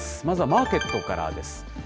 まずはマーケットからです。